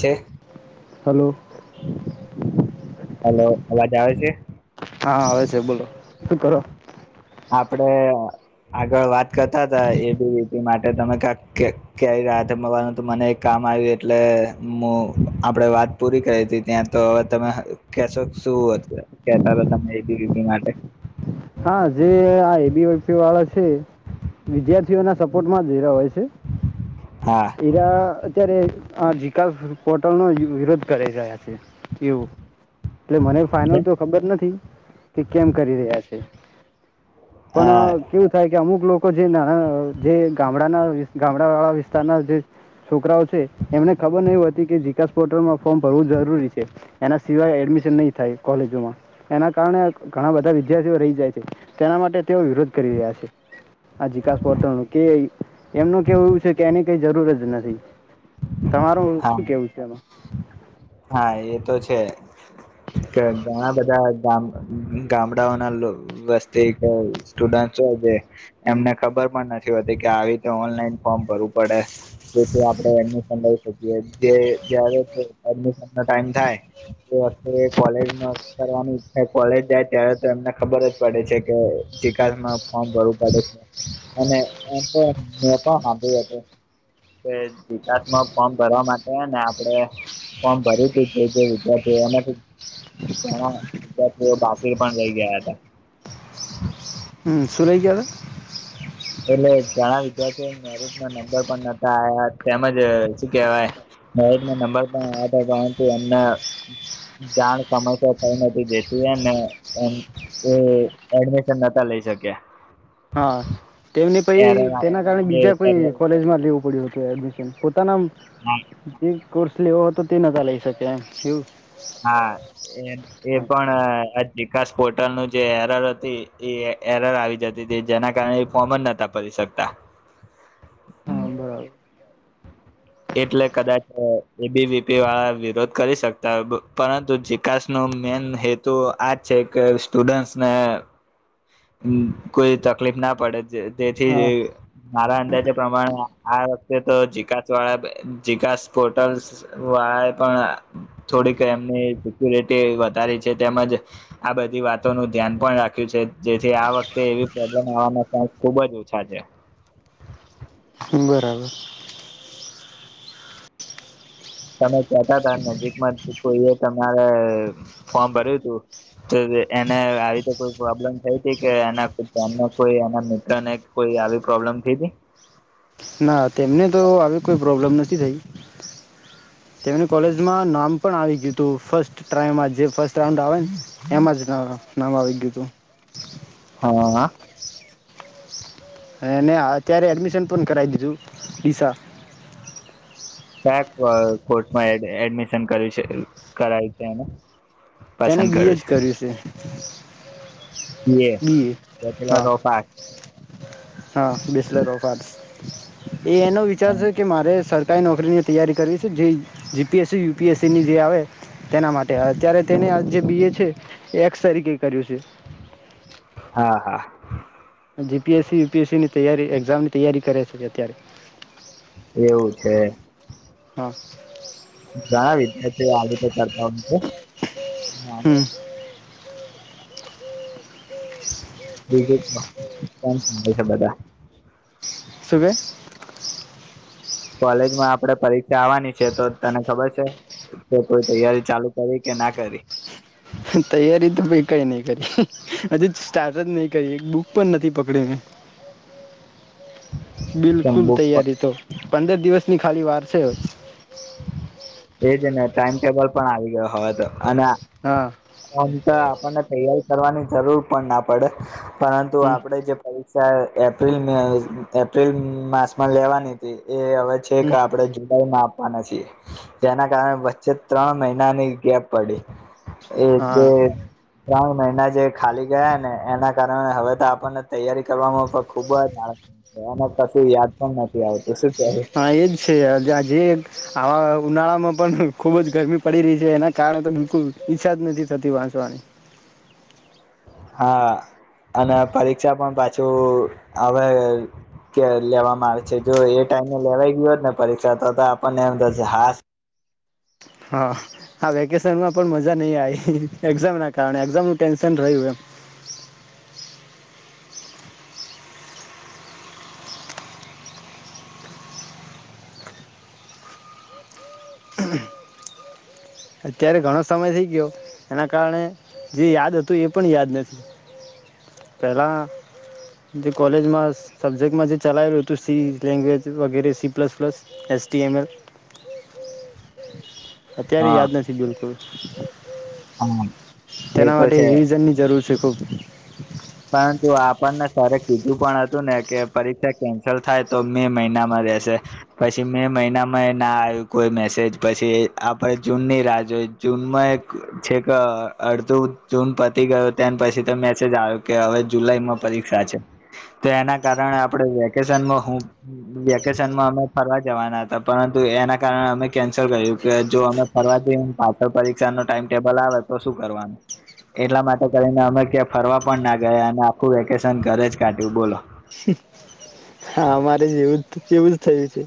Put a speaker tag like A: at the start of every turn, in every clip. A: છે.
B: Hello.
A: Hello અવાજ આવે છે.
B: હા આવે છે બોલો શું કરો.
A: આપડે. આગળ વાત કરતા હતા એ રીતિ માટે તમે ક ક રાતે મળવાનું તો મને એક કામ આવ્યું એટલે હું આપણે વાત પૂરી કરી હતી ત્યાં તો હવે તમે કેશો શુંું કેતા હતા તમે એ રી માટે.
B: હા જે આ વાળા છે વિદ્યાર્થીઓ ના સપોર્ટમાં જ હોય છે.
A: હા
B: એરા અત્યારે આ જિકાસ પોર્ટલ નો વિરોધ કરાઈ રહ્યા છે એવું. એટલે મને ફાઈનલ તો ખબર નથી. કે કેમ કરી રહ્ય છે. [inaudible]
A: હા
B: પણ કેવું થાય કે અમુક લોકો જે જે ગામડાના ગામડા વાળા વિસ્તારના જે છોકરાઓ છે એમને ખબર નહ હોતી કે વિકાસ પોર્ટલમાં ફોર્મ ભરવું જરૂરી છે એના સિવાય એડમિશન નહી થાય કોલેજોમાં એના કારણે ઘણા બધા વિદ્યાર્થીઓ રહી જાય છે તેના માટે તેઓ વિરોધ કરી રહ્યા છે આ જિકાસ પોટલ નું કે એમનું કેવુંું છે કે એની કઈ જરૂર જ નથી. તમારું
A: હા
B: શું કેવું છે એમાં
A: હા એ તો છે. કે ઘણા બધા ગામડાઓના વસ્તી સ્ટુડન્ટ હોય જે એમને ખબર પણ નથી હોતી કે આવી રતે ઓનલાઈન ફોર્મ ભરવું પડે. જેથી આપડે એની સમય મ ટાઈમ થાય કોલે કરવાની કોલેજ જાય ત્યારે તો એમને ખબર જ પડે છે કેાસમાં ફોર્મ ભરવું પડે છે અનેાસ ફોર્મ ભરવા માટેને આપણે ફોર્મ ભરી ત વિદ્યાર્થીઓ ઘણા વિદ્યાર્થીઓ બાકી પણ રઈ ગયા હતા.
B: હ સુરેઈગળ
A: એટલે ઘણા વિદ્યાર્થીઓ મેરટ નંબર પણ નતા આવ્યા તેમજ શ કેહેવાય મેરટ નંબર પણ આવ પરંતુ એમને જાણ સમસ્યા થઈ નથી દતીને એડમિશન નતા લઈ શક્યા
B: હતા હા તેમને પ
A: એરર હા
B: તેના કારણે બીજા કોઈ કોલેજમાં લ પડ્યું હતું એડમિશન તનમ જીવ કોર્સ લેવો હો હતો તે નજ લઈ શકે એમ શું
A: હા એ એ પણ વિકાસ પોર્ટલ નું જે એરર હતી એ એરર આવી જતી હતી જેના કારણે એ ફોર્મ જ નતા ભરી શકતા
B: હા બરાબર
A: એટલે કદાચ એબીવીપી વાળા વિરોધ કરી શકતા હોય પરંતુ ચિકાસ નો મેન હેતુ આજ છે કે સ્ટુડન્ટસને કોઈ તકલીફ ના પડે તેથી
B: હા
A: મારા અંદાજે પ્રમાણે આ વક્તે તો જીકા સ વાડે જીકાસ પોલટલ્સ વાળા એ પણ થોડીક એમની સિક્યુરિટી વધારી છે તેમજ આ બધી વાતોનું ધ્યાન પણ રાખ્યું છે જેથી આ વખતે એવી પ્રોબ્લેમ આવાનો ચાન્સ ખુબ જ ઓછા છે.
B: બરાબર.
A: તમે કેહતા તા નજીકમાં કોઈ એ તમારે ફોર્મ ભર્યું તું, તો એને આવી રીતે કોઈ પ્રોબ્લમ થઈ તી કે એના કોઈ ગામના કોઈ એના મિત્રને કોઈ આવી પ્રોબ્લમ થી તી?
B: ના તેમને તો આવી કોઈ પ્રોબ્લેમ નથી થઈ, તેમની કોલેજમાં નામ પણ આવી ગ્યું તું ફર્સ્ટ ટ્રાયમાં જ, જે ફસ્ટ રાઉન્ડ આવે ને, એમાં જ નામ આવી ગ્યું તું.
A: હાઆ.
B: એને અત્યારે એડમિશન પણ કરાઈ દીધું, પિસા.
A: કયા ક કોર્ટમા એડ એડમિશન કર્યું છે, કરાયું છે એને?
B: તેને બી એ જ કર્યું છે.
A: બી એ,
B: હા
A: [unintelligible]
B: હા, બીસલેટ ઓફાર્સ. એ એને વિચાર છે કે મારે સર કારી નોકરીની તૈયારી કરવી છે, જે G P S C, U P S સીની જે આવે તેના માટે અત્યારે તેને આ જે બી એ છે એ એક્સ તરીકે કર્યું છે.
A: હા હા.
B: G P S C, U P S સીની તૈયારી એક્ઝામની તૈયારી કરે છે જ અત્યારે.
A: એવું છે.
B: [unintelligible]
A: ઘણા વિદ્યાર્થીઓ આ રીતે કરતા હોય છે, હા.
B: હમ [unintelligible]
A: બીદૂતમાં કાર બધે બધા.
B: સુ કેસ?
A: કોલેજમાં આપણેે પરીક્ષા આવવાની છે તો તને ખબર છે, તે કોઈ તૈયારી ચાલુ કરી કે ના કરી?
B: તૈયારી તો મેં કઈ નઇ કરી હજી સ્ટાર્ટ જ નહી કરી, એક બુક પણ નથી પકડી મેં.
A: કેમ
B: બિલકુલ
A: બુક
B: તૈયારી તો. પંદર દિવસની ખાલી વાર છે.
A: એજ ને ટાઈમ ટેબલ પણ આવી ગયો હવે તો. અને,
B: હા
A: ઓમ તો આપર્ણને તૈયારી કરવાની જરૂર પણ ના પડે. પરંતુ
B: હમ
A: આપડે જે પૈ સર એપ્રિલ મે આવેસ એપ્રિલ માસમાં લેવાની હતી. એ હવે છેક
B: હમ
A: આપડે જુલાઈમાં આપ પાના છીએ. જેના કારણે વચ્ચે ત્રણ મહિનાની ગેપ પડી. એ
B: હા
A: બે પ્રાળ ના જે ખાલી ગયા, ને એના કારણે હવે તો આપર્ણને તૈયારી કરવામાં પણ ખુબ જ. [unintelligible] આવતું શું કે
B: હા એજ છે આજે આજે આવા ઉનાળામાં પણ ખુબ જ ગરમી પડી રહી છે એના કારણે તો બિલકુ ઈચ્છા જ નથી થતી વાંચવાની.
A: હા અને પરીક્ષા પણ પાછું હવે લેવામાં આવે છે જો એ ટાઈમે લેવાઈ ગયયો હોત ને પરીક્ષા તો આપણને એમ હાસ
B: હા આ વેકેશનમાં પણ મજા નહી આવી એઝામ ના કારણે એામ ન ટેન્શન રહ્યું એમ. અત્યારે ઘણો સમય થઈ ગયો એના કારણે જે યાદ હતું એ પણ યાદ નથી પહેલા જે કોલેજમાં સબ્જેક્ટમાં જે ચલાવેલું હતું સી લેંગ્વેજ વગેરે C plus plus ST M L અત્યારે
A: હા
B: યાદ બિલકુલ.
A: હા એ
B: તેના
A: તો
B: માટે
A: છે
B: રિઝન ની જરૂર છે. [unintelligible]
A: પરંતુ આપણને સર કીધું પણ હતું ને કે પરીક્ષા કેન્સલ થાય તો મે મહિનામાં રહેશે પછી મે મહિનામાં એ ના આવ્યું કોઈ મેસેજ પછી આપણે જૂનની રાહ જોઈ જૂનમાં એક છેક અડધું જૂન પતી ગયો તે પછી તો મેસેજ આવ્યો. કે હવે જુલાઈમાં પરીક્ષા છે તો એના કારણે આપણે વેકેશનમાં હું વેકેશનમાં અમે ફરવા જવાના હતા પરંતુ એના કારણે અમે કેન્સલ કર્યું કે જો અમે ફરવા જ પાછળ પરીક્ષા ન ટાઈમ ટેબલ આવે તો શું કરવાનું એટલા માટે કરીને અમે ફરવા પણ ના ગયા અને આખું વેકેશન ઘરે જ કાઢ્યું બોલો.
B: હામારે જેવું જ એવું જ થયું છે.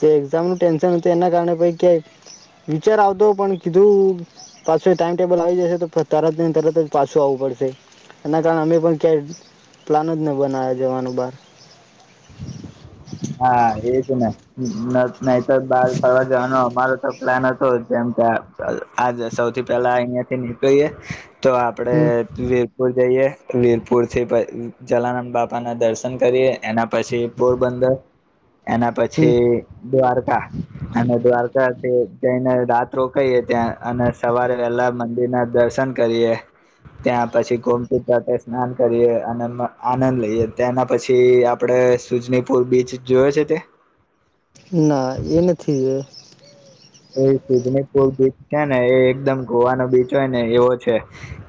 B: જે એક્ઝામ નું ટેન્શન હતું એના કારણે પ ક્યાં વિચાર આવતો પણ કીધું પાછું ટાઈમ ટેબલ આવી જશે તો તરત ને તરત જ પાછું આવવું પડશે એના કારણે અમે પણ ક્યાંય પ્લાન જ ન બના્યા જવાનું બાર
A: હા એજ ને નહી તો બહાર ફડવા જવાનો અમારો તો પ્લાન હતો જેમ કે આ સૌથી પહેલા અહિયાયા થી નીકળીએ તો આપણે
B: હમ
A: વીરપુર જઈએ વીરપુર થી જલારામ બાપા ના દર્શન કરીએ એના પછી પોરબંદર એના
B: હમ
A: પછી દ્વારકા અને દ્વારકાથી જઈને રાત રોકાઈએ ત્યાં અને સવારે વહેલા મંદિર ના દર્શન કરીએ ત્યાં પછી ગોમતી તટે સ્નાન કરીએ અને આનંદ લઈએ ત્યાંના પછી આપડે સુજનીપુર બીચ જોવે છે તે?
B: ના એ નથી.
A: એ સુજની પુલ બીચ છે ને એ એકદમ ગોવાનો બીચ હોય ને એવો છે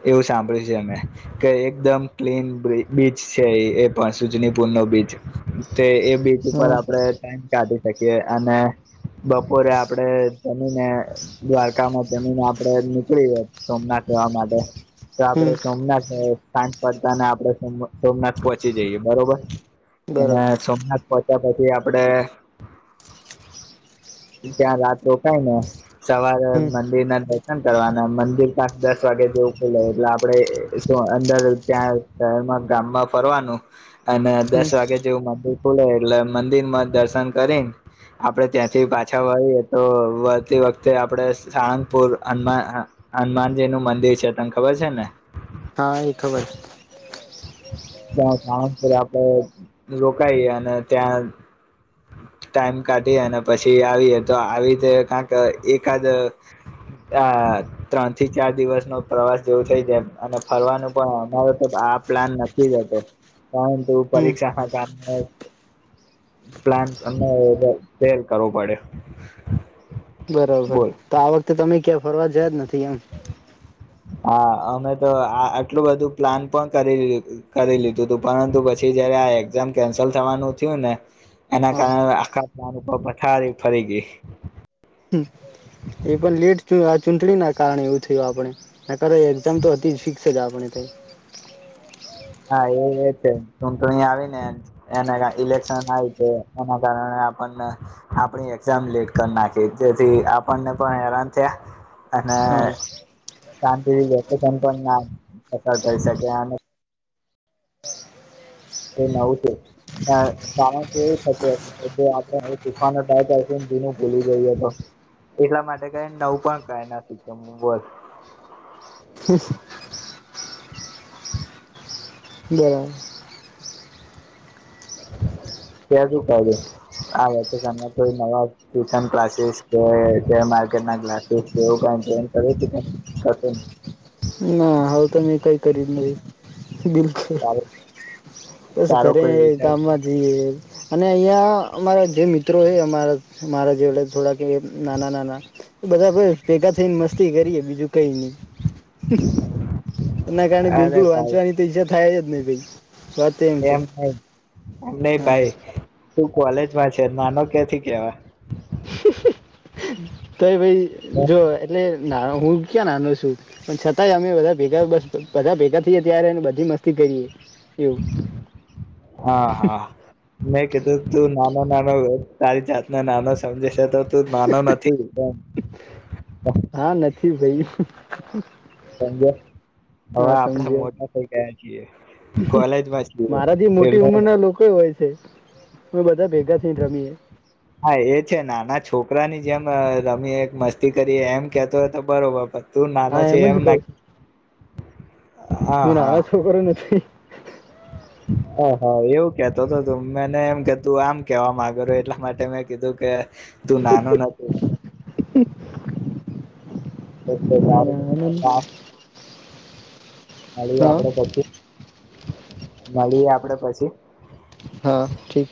A: એવું સાંભળ્યું છે અમે કે એકદમ ક્લીન બીચ છે એ પણ સુજની પુલ નો બીચ તે એ બીચ ઉપર
B: હા.
A: આપડણે ટાઈમ કાઢી શકીએ. કે અને બપોરે આપડે તેમમીને દ્વારકામાં જમીને આપડે નીકળી જ સોમનાથ જવા માટે. તો
B: હમ
A: આપડે સોમનાથ શહેર સાંજ પડતા ને આપડણે સમ સોમનાથ પહોંચી જઈએ બરોબર. અને
B: બરાબર
A: સોમનાથ પ ત પછી આપડે ત્યાં રાત રોકાઈ ને સવારે
B: હમ
A: મંદિરના દશ દર્શન કરવાના મંદિર પાસુ દસ વાગે જેવું ખુલે એટલે આપડે શું અંદર ત્યાં શહેરમાં ગામમાં ફરવાનું. અને
B: હમ
A: દસ વાગે જેવું મંદિર ખુલે એટલે મંદિરમાં દર્શન કરીને આપડે ત્યાંથી પાછા વળીએ. તો વતી વખતે આપડે સાળગપુર હનુમા હનુમાનજીનું મંદિર છે તને ખબર છે ને?
B: હા એ ખબર.
A: તા સાળગપુર આપડે રોકાઈ અને ત્યાં ટાઈમ કાઢી અને પછી આવીએ તો આવી રીતે કંક એકાદ આ ત્રણ થી ચાર દિવસનો પ્રવાસ જેવો થઈ જાય એમ અને ફરવાનું પણ અમારો તો આ પ્લાન નક કી જ હતો. પરંતુ
B: હમ
A: પરીક્ષાના કારણે પ્લાન અને ફેલ કરવો પડયો.
B: બરાબર તો આ વખતે તમે ક્યા ફરવા જયા જ નથી, એમ?
A: હા, અમે તો આ આટલું બધું પ્લાન પણ કરી કરી લીધું તું, પરંતુ પછી જયારે આ એક્ઝામ કેન્સલ થવાનું થયું ને એના
B: હા
A: કારણે આખા પ્લાન પર પઠારી ફરી ગઈ.
B: એ પણ લેટ થયુ. આ ચૂંટણીના કારણે એવું થયું, આપણે તારે એક્ઝામ તો હતી જ. છે જ આપણે તો.
A: હા, એ જ છે. ચૂટણી આવીને એને ઇલેક્શન આવી છે, એના કારણે આપણને આપણી એકઝામ લેટ કરી નાખી. જેથી આપણને પણ હેરાન થયા. અને
B: હા
A: શાંતિથી બેસી પણ ના અસર થઈ શકે અને એ નવું છે, કારણ કારણ કે એવું થતું હતુ કે જે આપણે તુફાનો થાય, થાય કે તે જોયને ભુલી ગયોએ. તો એટલા માટે કઈ નવું પણ કય ના શીખ્યો? બસ.
B: [inaudible] બરાબર.
A: ત્યા શું કયુઁ? આ વર્ષે તેમને તો નવા ટ્યુશન કલાસીસ કે જેમા કલાસીસ
B: ના, આવુ તો મે કંઈ કર્યુ જ નહી. બિલકુલ,
A: તારો
B: પછી
A: તારો
B: ઘરે
A: કોઈ વિચાર નહીં.
B: ગામમાં જઈએ. અને અહિયાં અમારા જે મિત્રો, એ અમારા મારા જોડે થોડાક એ નાના-નાના બધા બો ભેગા થઈને મસ્તી કરીએ, બીજું કંઈ ની. એના કારણે
A: અરે
B: બિલકુલ
A: ભાઈ
B: વાંચવાની તો ઈજ્જત થાય જ ને ભાઈ. વાતે એમથી
A: ની ભાઈ તું કોલેજમાં છે? નાનો કેથી કેવા.
B: [inaudible] તો એ ભાઈ જો એટલે સાલો, હું ક્યાં નાનો છું? પણ છતાંય, અમે બધા ભેગા બધા ભેગા થઈએ ત્યારે બધી મસ્તી કરીએ. એવું
A: હા, હા, મેં કીધું, તું નામ. ના, નાનો! તારી જાત ના નાનો સમજે છે, તો? માનો નથી.
B: ઠી ભાઈ.
A: જ હવે
B: હા
A: આપડા
B: સમજ્યો
A: મોટા થઈ ગયા. છીએ કોલેજમાં છીએ
B: મારાથી મોટી
A: એટલે
B: ઉંમર ના લોકો હોય છે. બધા ભેગા થઈને રમીએ.
A: હા એ છે નાના છોકરાની જેમ રમીએ, એક મસ્તી કરીએ, એમ કહેતો હોય તો બરાબર. તું નાનો
B: હા
A: છે, એમ
B: જ કઉ
A: નાખ
B: છું હું નાનો છોકરો નથી
A: હ હા એવું કેતો તો તું મેને એમ કે તું આમ કેવા માંગો એટલા માટે મેં કીધું કે તું નાનો નથી ઓ તો
B: ના
A: સારું
B: ના
A: હા [unintelligible]
B: હા
A: આપડે પછી મળીએ આપડે પછી
B: હા ઠીક